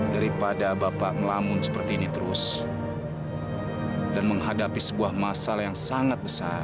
daripada bapak melamun seperti ini terus dan menghadapi sebuah masalah yang sangat besar